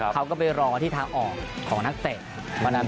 เขาก็ไปรอที่ทางออกของนักเตะ